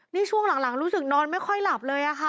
นี่ช่วงหลังรู้สึกนอนไม่ค่อยหลับเลยค่ะ